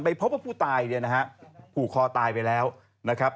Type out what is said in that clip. พบว่าผู้ตายเนี่ยนะฮะผูกคอตายไปแล้วนะครับ